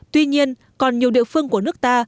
tuy nhiên còn nhiều địa phương của nước ta